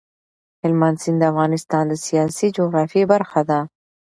هلمند سیند د افغانستان د سیاسي جغرافیې برخه ده.